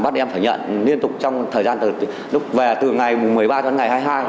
bắt em phải nhận liên tục trong thời gian từ ngày một mươi ba đến ngày hai mươi hai